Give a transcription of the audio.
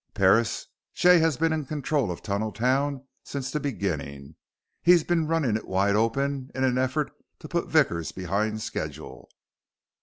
"Parris, Jay has been in control of Tunneltown since the beginning. He's been running it wide open in an effort to put Vickers behind schedule."